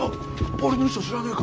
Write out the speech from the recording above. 俺の衣装知らねえか？